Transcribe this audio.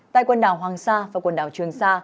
tại quần đảo hoàng sa và quần đảo trường sa